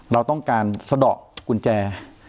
เราต้องการสะดอกกุญแจ